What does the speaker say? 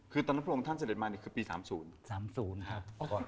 คือตอนนับพลวงศ์ท่านเสด็จมาเนี้ยคือปีสามศูนย์สามศูนย์ครับ